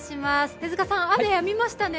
手塚さん、雨やみましたね。